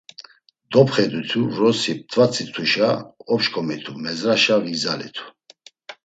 Dopxe ditu vrosi p̌t̆vatsituşa op̌şǩomitu merzeşa vigzalitu.